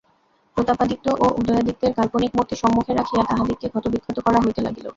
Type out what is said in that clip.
প্রতাপাদিত্য ও উদয়াদিত্যের কাল্পনিক মূর্তি সম্মুখে রাখিয়া তাহাদিগকে ক্ষতবিক্ষত করা হইতে লাগিল।